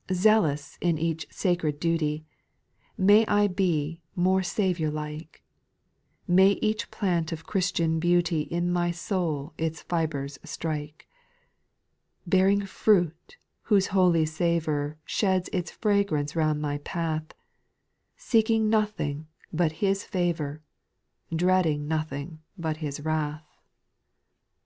' 3. ( Zealous in each sacred duty, May I be more Saviour like ; May each plant of Christian beauty In my soul its fibres strike ;—' 4. [ Bearing fruit, whose holy savour Sheds its fragrance round my path, Seeking nothing but His favour. Dreading nothing but His wrath.